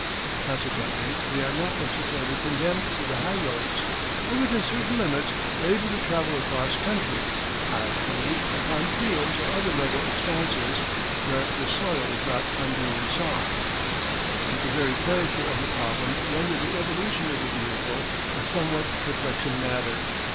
Consequently, they are not necessarily condemned to the high roads, but within certain limits are able to travel across country, i.e., upon fields or other level expanses, where the soil is not unduly soft. But the very character of the problem rendered the evolution of the vehicle a somewhat perplexing matter.